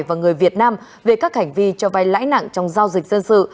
và người việt nam về các hành vi cho vai lãi nặng trong giao dịch dân sự